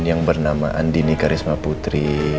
yang bernama andini karisma putri